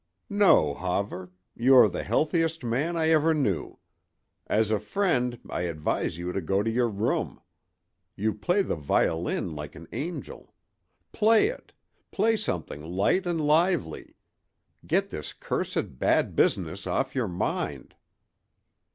"No, Hawver; you are the healthiest man I ever knew. As a friend I advise you to go to your room. You play the violin like an angel. Play it; play something light and lively. Get this cursed bad business off your mind."